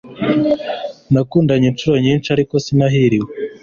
Nakundanye inshuro nyinshi ariko sinahiriwe